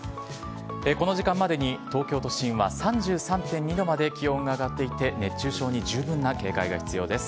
この時間までに東京都心は３３．２度まで気温が上がっていて、熱中症に十分な警戒が必要です。